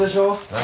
何？